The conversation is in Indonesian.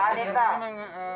ada yang lain